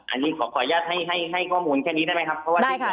อันนี้ขอขออนุญาตให้ก้อมูลแค่นี้ได้ไหมครับ